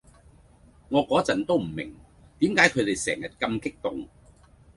我個陣都唔明點解佢哋成日咁激動⠀